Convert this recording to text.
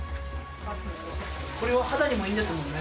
これは肌にもいいんだもんね。